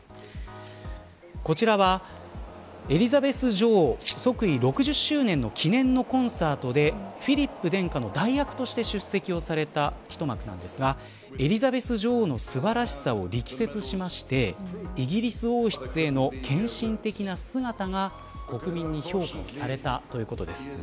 こちらはエリザベス女王即位６０周年の記念のコンサートでフィリップ殿下の代役として出席された一幕なんですがエリザベス女王の素晴らしさを力説しましてイギリス王室への献身的な姿が国民に評価されたということです。